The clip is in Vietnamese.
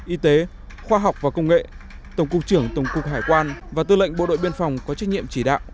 y tế khoa học và công nghệ tổng cục trưởng tổng cục hải quan và tư lệnh bộ đội biên phòng có trách nhiệm chỉ đạo